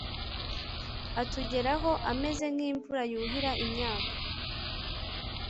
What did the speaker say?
azatugeraho ameze nk’imvura yuhira imyaka,